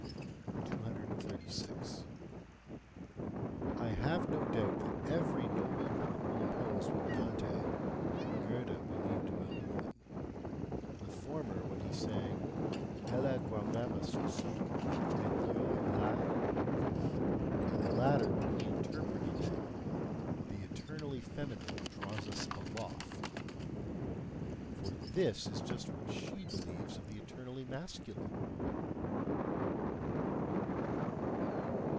236. I have no doubt that every noble woman will oppose what Dante and Goethe believed about woman the former when he sang, "ELLA GUARDAVA SUSO, ED IO IN LEI," and the latter when he interpreted it, "the eternally feminine draws us ALOFT"; for THIS is just what she believes of the eternally masculine.